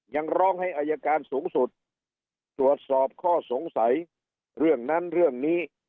ยังร้องให้อายการสูงสุดตรวจสอบข้อสงสัยเรื่องนั้นเรื่องนี้